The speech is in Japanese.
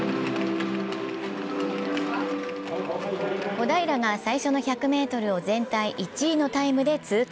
小平が最初の１００ｍを全体１位のタイムで通過。